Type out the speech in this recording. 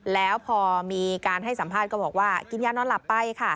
แล้วพอมีการให้สัมภาษณ์ก็บอกว่ากินยานอนหลับไปค่ะ